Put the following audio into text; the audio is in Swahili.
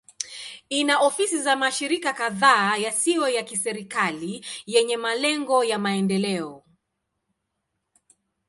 Ina ofisi za mashirika kadhaa yasiyo ya kiserikali yenye malengo ya maendeleo.